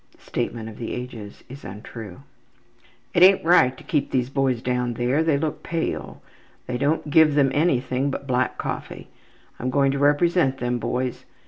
'' (The statement of the ages is untrue.) ``It ain't right to keep these boys down there. They look pale. They don't give them anything but black coffee. I'm going to represent them boys.